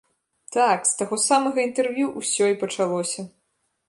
Так, з таго самага інтэрв'ю ўсё і пачалося!